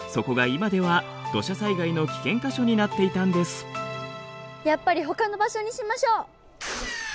やっぱりほかの場所にしましょう！